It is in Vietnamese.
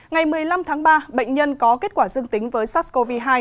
ngày một mươi năm tháng ba bệnh nhân có kết quả dương tính với sars cov hai